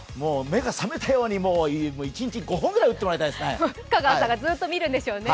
目が覚めたように１日５本ぐらい打ってほしいですね。